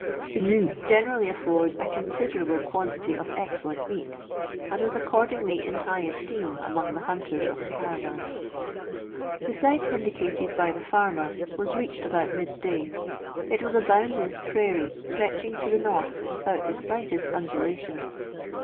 The gnu generally affords a considerable quantity of excellent meat, and was accordingly in high esteem among the hunters of the caravan. The site indicated by the farmer was reached about midday. It was a boundless prairie stretching to the north without the slightest undulation.